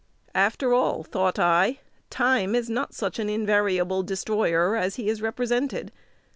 After all, thought I, time is not such an invariable destroyer as he is represented.